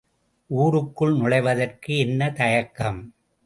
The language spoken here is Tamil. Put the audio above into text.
ஊருக்குள் நுழைவதற்கு என்ன தயக்கம்?